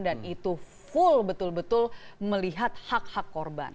dan itu full betul betul melihat hak hak korban